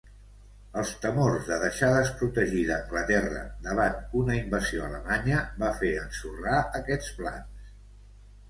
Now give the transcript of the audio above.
Els temors de deixar desprotegida Anglaterra davant una invasió alemanya va fer ensorrar aquests plans.